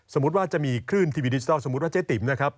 สมมุติว่าจะมีคลื่นทีวีดิจิทัลสมมุติว่าเจ๊ติ๋มนะครับ